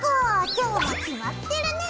今日も決まってるね！